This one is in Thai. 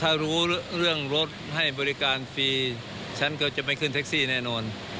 ถ้ารู้เรื่องรถให้บริการฟรีฉันก็จะไม่ขึ้นแท็กซี่แน่นอน